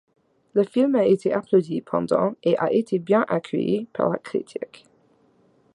Le film a été applaudi pendant et a été bien accueilli par la critique.